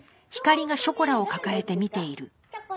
ショコラ。